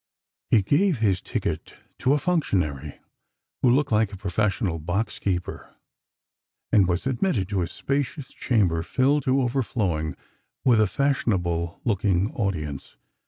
He gave his ticket to a functionary who looked like a profes sional boxkeeper. and was admitted to a spacious chamber filled to overflowing with a fashionable looking audience.